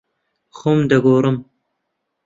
خۆم دەگۆڕم.